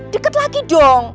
deket lagi dong